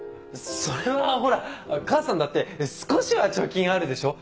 それはほら母さんだって少しは貯金あるでしょ？